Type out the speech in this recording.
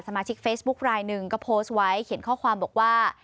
สมาชิกเฟซบุ๊คลายหนึ่งก็โพสต์ไว้เขียนข้อความบอกว่า